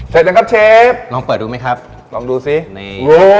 เสร็จแล้วกันครับเชฟลองเปิดดูมั้ยครับลองดูสิ